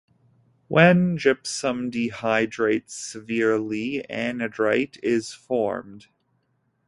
When gypsum dehydrates severely, anhydrite is formed.